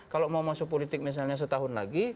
kalau mau masuk politik misalnya setahun lagi